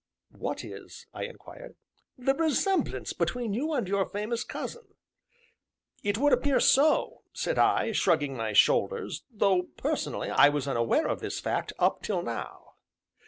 "What is?" I inquired. "The resemblance between you and your famous cousin." "It would appear so," said I, shrugging my shoulders, "though, personally, I was unaware of this fact up till now."